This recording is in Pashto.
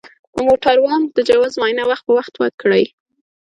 د موټروان د جواز معاینه وخت په وخت وکړئ.